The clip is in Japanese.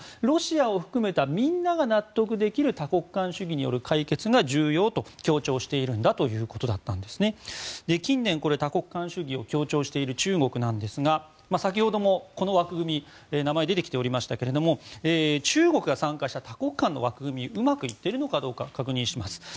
ロシアを含めたみんなが納得できる多国間主義による解決が重要だと強調しているんだということだったんですが近年、多国間主義を強調している中国なんですが先ほどもこの枠組み名前が出てきていましたが中国が参加した多国間の枠組みがうまくいっているのかどうか確認します。